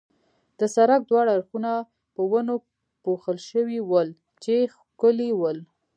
د سړک دواړه اړخونه په ونو پوښل شوي ول، چې ښکلي ول.